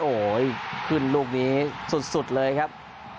โอ้โหขึ้นลูกนี้สุดเลยครับ